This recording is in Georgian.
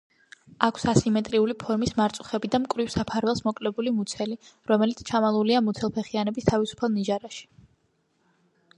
აქვს ასიმეტრიული ფორმის მარწუხები და მკვრივ საფარველს მოკლებული მუცელი, რომელიც ჩამალულია მუცელფეხიანების თავისუფალ ნიჟარაში.